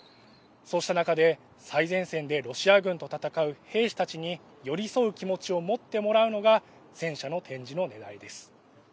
そうした中で最前線でロシア軍と戦う兵士たちに寄り添う気持ちを持ってもらうのが戦車の展示のねらいです。